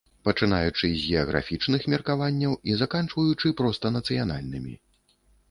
Пачынаючы з геаграфічных меркаванняў і заканчваючы проста нацыянальнымі.